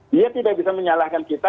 dia tidak bisa menyalahkan kita